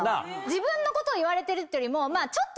自分のことを言われてるっていうよりも。